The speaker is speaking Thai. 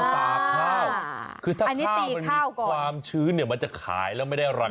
ตากข้าวคือถ้าข้าวมันมีความชื้นเนี่ยมันจะขายแล้วไม่ได้อะไร